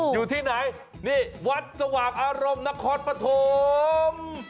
อยู่ที่ไหนนี่วัดสว่างอารมณ์นครปฐม